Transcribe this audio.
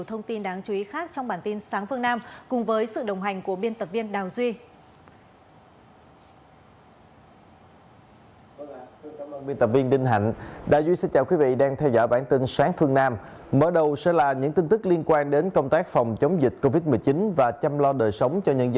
hãy đăng ký kênh để ủng hộ kênh của mình nhé